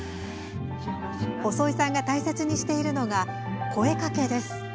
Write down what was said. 細井さんが大切にしているのが声かけです。